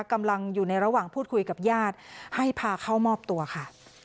กำลังอยู่ในระหว่างพูดคุยกับญาติให้พาเข้ามอบตัวค่ะ